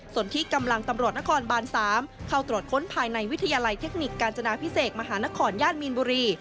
ส่วนที่กำลังตำรวจนครบาน๓เข้าตรวจค้นภายในวิทยาลัยเทคนิคกาญจนาพิเศษมหานครย่านมีนบุรี